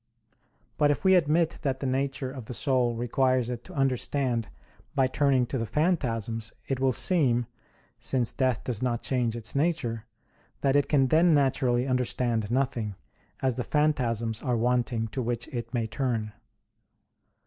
But if we admit that the nature of the soul requires it to understand by turning to the phantasms, it will seem, since death does not change its nature, that it can then naturally understand nothing; as the phantasms are wanting to which it may turn.